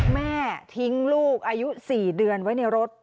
แม่ทิ้งลูกอายุ๔เดือนไว้ในรถ